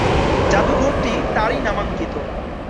জাদুঘরটি তারই নামাঙ্কিত।